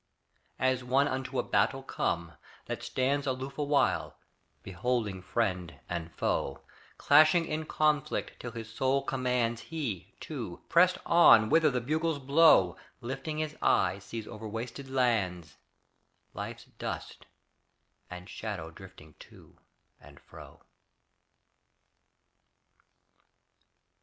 As one unto a battle come, that stands Aloof awhile, beholding friend and foe Clashing in conflict, till his soul commands He, too, prest on whither the bugles blow, Lifting his eyes sees over wasted lands Life's dust and shadow drifting to and fro.